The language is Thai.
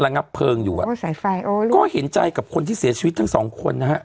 ระงับเพลิงอยู่อ่ะโอ้สายไฟโอ้ยก็เห็นใจกับคนที่เสียชีวิตทั้งสองคนนะฮะ